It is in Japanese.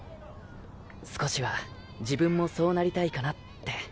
少しは自分もそうなりたいかなって。